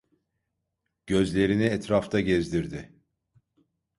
Gözlerini etrafta gezdirdi.